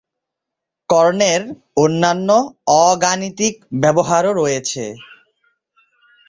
কর্ণের অন্যান্য অ-গাণিতিক ব্যবহারও রয়েছে।